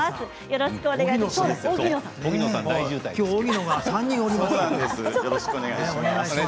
よろしくお願いします。